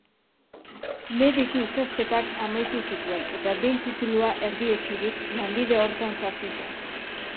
Mediku ikasketak amaitu zituen eta, behin titulua erdietsirik, lanbide horretan sartu zen.